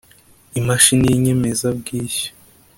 Imashini y inyemazabwishyu